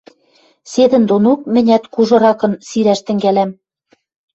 Седӹндонок мӹнят кужыракын сирӓш тӹнгӓлӓм.